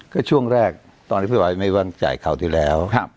ก็ช่วงแรกตอนที่พี่บอยไม่วางจ่ายคราวที่แล้ว